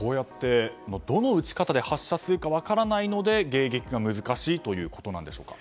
どの撃ち方で発射するか分からないので迎撃が難しいということでしょうか。